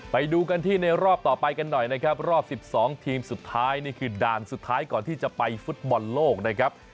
ไปดูกันที่ในรอบต่อไปกันหน่อยนะครับรอบ๑๒ทีมสุดท้ายนี่คือด่านสุดท้ายก่อนที่จะไปฟุตบอลโลกนะครับ